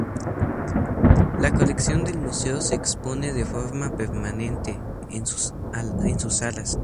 La colección del museo se expone de forma permanente en sus salas.